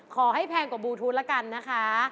ขอให้แพงกว่าบูทูธแล้วกันนะคะ